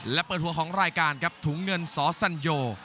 และเปิดหัวของรายการครับถุงเงินสอสัญโย